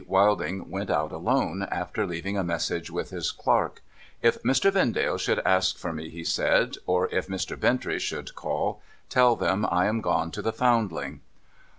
Wilding went out alone, after leaving a message with his clerk. ' If Mr. Vendale should ask for me,' he said, ' or if Mr. Bintrey should call, tell them I am gone to the Foundling.'